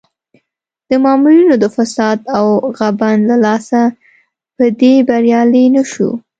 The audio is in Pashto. د مامورینو د فساد او غبن له لاسه په دې بریالی نه شو.